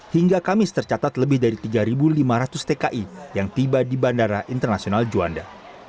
hingga kamis tercatat lebih dari tiga lima ratus tki yang tiba di bandara internasional juanda